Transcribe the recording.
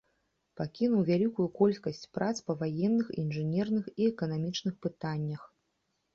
Пакінуў вялікую колькасць прац па ваенных, інжынерных і эканамічных пытаннях.